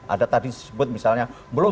ada tadi disebut misalnya